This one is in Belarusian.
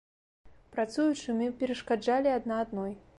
Працуючы, мы перашкаджалі адна адной.